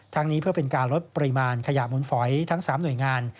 นี้เพื่อเป็นการลดปริมาณขยะหมุนฝอยทั้ง๓หน่วยงาน